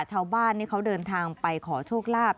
ชาวบ้านเขาเดินทางไปขอโชคลาภ